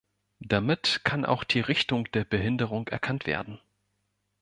Damit kann auch die Richtung der Behinderung erkannt werden.